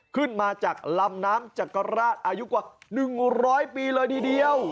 ขึ้นมาจากลำน้ำจักรราชอายุกว่า๑๐๐ปีเลยทีเดียว